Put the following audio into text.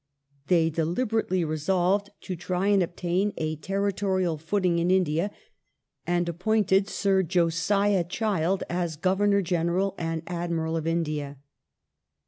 They deliberately resolved to try and obtain a tenitorial footing in India, and appointed Sir Josia Child as " Governor General and Admiral of India